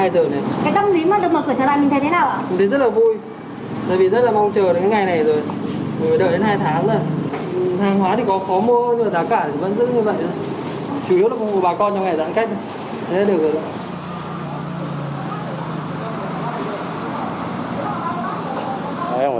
chủ yếu là mua bà con trong ngày giãn cách thôi